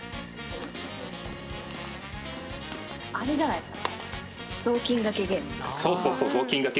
あれじゃないですか？